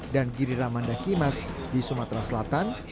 dan giri ramadhan kimas di sumatera selatan